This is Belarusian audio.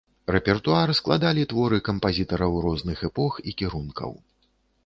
Рэпертуар складалі творы кампазітараў розных эпох і кірункаў.